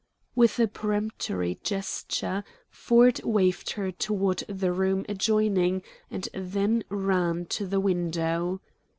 With a peremptory gesture, Ford waved her toward the room adjoining and then ran to the window.